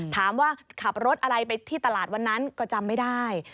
ถามว่าขับรถอะไรไปที่ตลาดวันนั้นก็จำไม่ได้